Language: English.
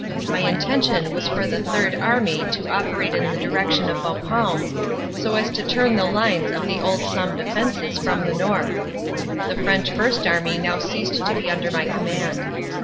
My inten tion was for the Third Army to operate in the direction of Bapaume so as to turn the lines of the old Somme defenses from the north. The French First Army now ceased to be under my command.